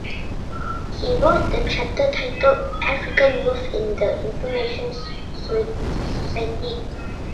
He wrote the chapter titled, "African Youth in the Information Society".